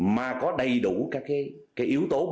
mà có đầy đủ các yếu tố